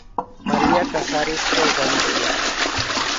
María Casares e Galicia".